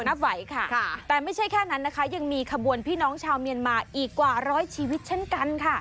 นับไหวค่ะแต่ไม่ใช่แค่นั้นนะคะยังมีขบวนพี่น้องชาวเมียนมาอีกกว่าร้อยชีวิตเช่นกันค่ะ